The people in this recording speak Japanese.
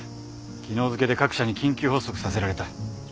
昨日付で各社に緊急発足させられた。